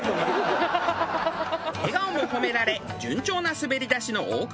笑顔を褒められ順調な滑り出しの大久保女将。